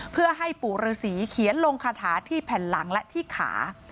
เพื่อให้ปู่ฤษีเขียนลงคาถาที่แผ่นหลังและที่ขา